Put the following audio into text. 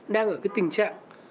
đang ở tình trạng